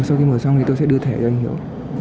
sau khi mở xong thì tôi sẽ đưa thẻ cho anh hiếu